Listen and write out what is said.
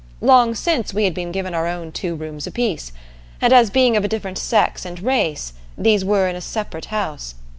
Long since we had been given our own two rooms apiece, and as being of a different sex and race, these were in a separate house.